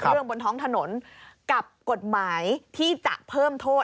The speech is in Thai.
บนท้องถนนกับกฎหมายที่จะเพิ่มโทษ